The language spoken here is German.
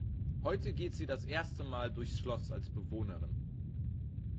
Heute geht sie das erste Mal durchs Schloss als Bewohnerin.